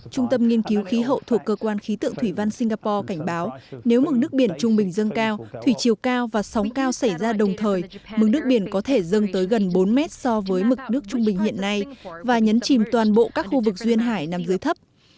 trung tâm nghiên cứu khí hậu thuộc cơ quan khí tượng thủy văn singapore cảnh báo nếu mức nước biển trung bình dâng cao thủy chiều cao và sóng cao xảy ra đồng thời mức nước biển có thể dâng tới gần bốn mét so với mực nước trung bình hiện nay và nhấn chìm toàn bộ các khu vực duyên hải nằm dưới thấp